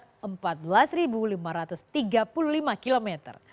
jalan ini memiliki jarak empat belas lima ratus tiga puluh lima km